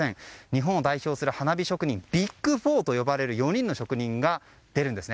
日本を代表する花火職人ＢＩＧ４と呼ばれる４人の職人が出るんです。